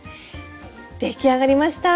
出来上がりました！